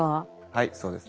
はいそうです。